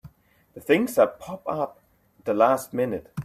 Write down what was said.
The things that pop up at the last minute!